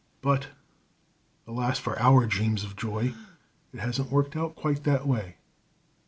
But, alas for our dreams of joy, it hasn't worked out quite that way.